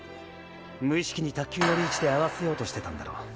無意識に卓球のリーチで合わせようとしてたんだろ。